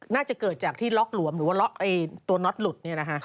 น่าจะเกิดจากที่ล๊อคหลวมหรือว่าตัวน็อตหลุดเนี่ยนะฮะ